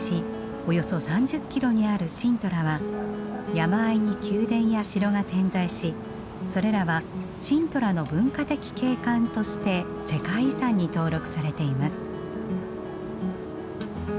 およそ３０キロにあるシントラは山あいに宮殿や城が点在しそれらはシントラの文化的景観として世界遺産に登録されています。